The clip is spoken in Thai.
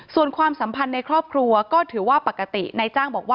ส่วนความสัมพันธ์ในครอบครัวก็ถือว่าปกติ